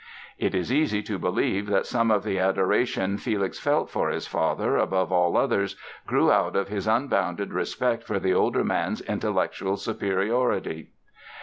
It is easy to believe that some of the adoration Felix felt for his father above all others grew out of his unbounded respect for the older man's intellectual superiority.